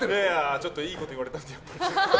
ちょっといいこと言われたんで。